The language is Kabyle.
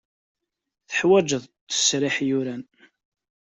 Teḥwajeḍ ttesriḥ yuran.